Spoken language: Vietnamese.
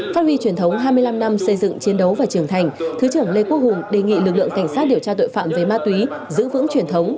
phát huy truyền thống hai mươi năm năm xây dựng chiến đấu và trưởng thành thứ trưởng lê quốc hùng đề nghị lực lượng cảnh sát điều tra tội phạm về ma túy giữ vững truyền thống